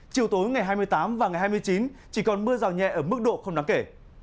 chiều tối ngày hai mươi tám và ngày hai mươi chín chỉ còn mưa rào nhẹ ở mức độ không đáng kể